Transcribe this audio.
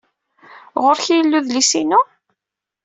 Ɣer-k ay yella udlis-inu?